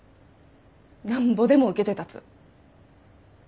なんぼでも受けて立つ。